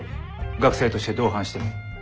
学生として同伴してもいい。